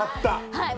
はい。